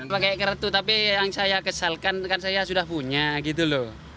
pakai kartu tapi yang saya kesalkan kan saya sudah punya gitu loh